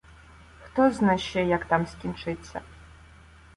Хтозна ще, як там скінчиться.